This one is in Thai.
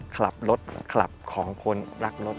คลับรถคลับของคนรักรถครับผม